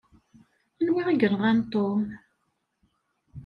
Anwa i yenɣan Tom?